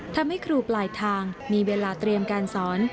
ทำให้ครูปลายทางมีเวลาเตรียมการสอน